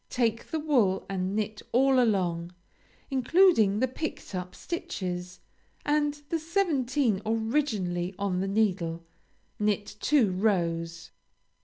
Take the wool and knit all along, including the picked up stitches, and the seventeen originally on the needle. Knit two rows.